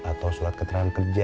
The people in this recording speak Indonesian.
atau sulat keterangan kerja